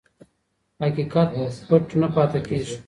حقیقت پټ نه پاتې کېږي.